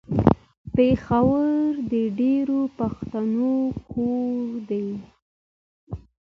پېښور د ډېرو پښتنو کور ده.